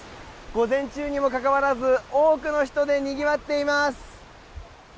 午前中にもかかわらず多くの人でにぎわっています。